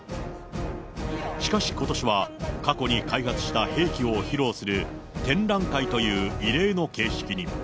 しかし、ことしは過去に開発した兵器を披露する展覧会という異例の形式に。